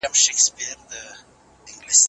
زوی به د پلار نصيحت نه هېروي.